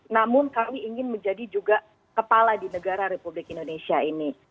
namun kami ingin menjadi juga kepala di negara republik indonesia ini